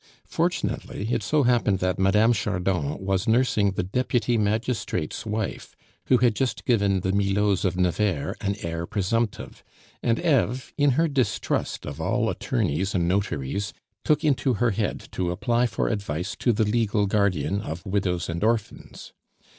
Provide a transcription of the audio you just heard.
Fortunately, it so happened that Mme. Chardon was nursing the deputy magistrate's wife, who had just given the Milauds of Nevers an heir presumptive; and Eve, in her distrust of all attorneys and notaries, took into her head to apply for advice to the legal guardian of widows and orphans.